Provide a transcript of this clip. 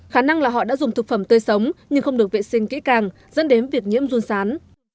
khả năng là họ đã dùng thực phẩm tươi sống nhưng không được vệ sinh kỹ càng dẫn đến việc nhiễm run sán